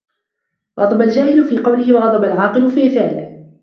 غضب الجاهل في قوله وغضب العاقل في فعله